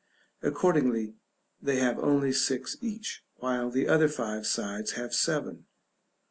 Accordingly, they have only six each, while the other five sides have seven.